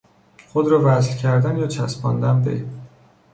خود را وصل کردن یا چسباندن به